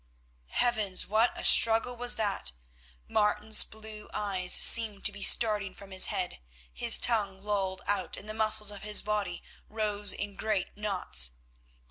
Heavens! what a struggle was that. Martin's blue eyes seemed to be starting from his head, his tongue lolled out and the muscles of his body rose in great knots.